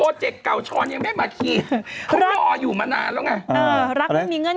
โปรเจ็กต์เก่าช้อนยังไม่มาขี้เขารออยู่มานานแล้วไง